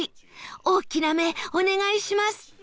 大きな目お願いします